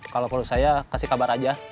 kalau menurut saya kasih kabar aja